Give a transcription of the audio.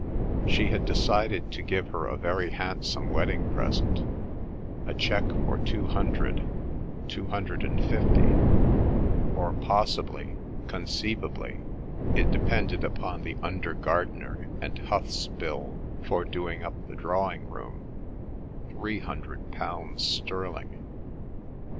She had decided to give her a very handsome wedding present, a cheque for two hundred, two hundred and fifty, or possibly, conceivably—it depended upon the under gardener and Huths' bill for doing up the drawing room—three hundred pounds sterling.